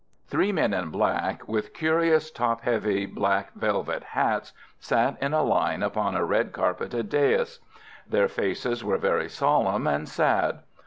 Three men in black, with curious top heavy black velvet hats, sat in a line upon a red carpeted dais. Their faces were very solemn and sad.